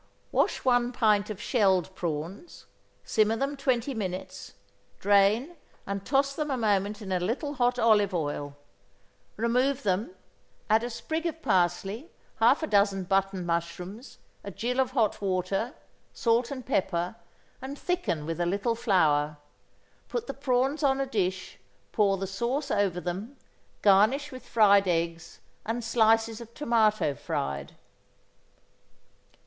= Wash one pint of "shelled" prawns, simmer them twenty minutes, drain, and toss them a moment in a little hot olive oil; remove them, add a sprig of parsley, half a dozen button mushrooms, a gill of hot water, salt and pepper, and thicken with a little flour. Put the prawns on a dish, pour the sauce over them, garnish with fried eggs and slices of tomatoes fried.